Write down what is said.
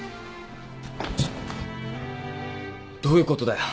どういうことだよ？